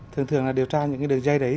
thường thường là điều tra những đường dây đấy